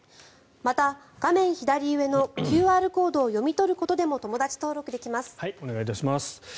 また、画面左上のＱＲコードを読み取ることでもお願いいたします。